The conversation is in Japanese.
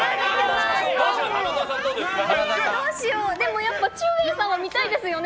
どうしよう、でもちゅうえいさんは見たいですよね。